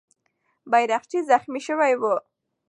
بیرغچی زخمي سوی وو.